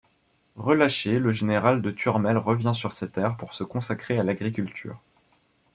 Relâché, le général de Turmel revient sur ses terres, pour se consacrer à l'agriculture.